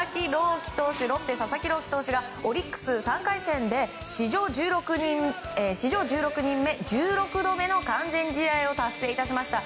ロッテの佐々木朗希投手がオリックス３回戦で史上１６人目１６度目の完全試合を達成いたしました。